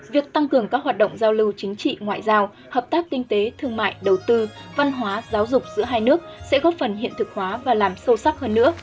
việc tăng cường các hoạt động giao lưu chính trị ngoại giao hợp tác kinh tế thương mại đầu tư văn hóa giáo dục giữa hai nước sẽ góp phần hiện thực hóa và làm sâu sắc hơn nữa